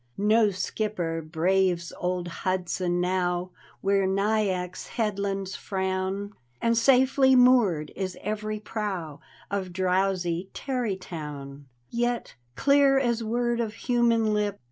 No skipper braves old Hudson now Where Nyack's Headlands frown, And safely moored is every prow Of drowsy Tarrytown; Yet, clear as word of human lip.